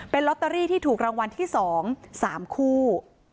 เป็นลอตเตอรี่ที่ถูกรางวัลที่๒๓คู่